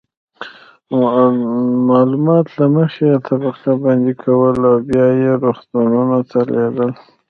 معلومات له مخې یې طبقه بندي کول او بیا یې روغتونونو ته لیږل.